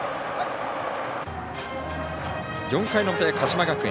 ４回の表、鹿島学園。